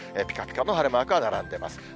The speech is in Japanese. ぴかぴかの晴れマークが並んでます。